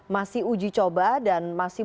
masih uji coba dan masih